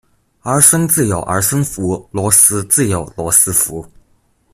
兒孫自有兒孫福，螺絲自有羅斯福